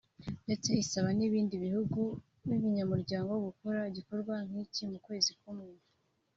ndetse isaba n’ibindi bihugu by’ibinyamuryango gukora igikorwa nk’iki mu kwezi kumwe